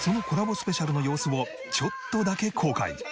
スペシャルの様子をちょっとだけ公開。